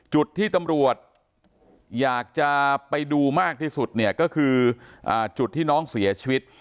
จุดที่ตำรวจอยากจะไปดูมากที่สุดเนี่ยก็คือจุดที่น้องเสียชีวิต